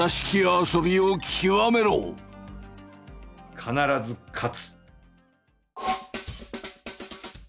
必ず勝つ。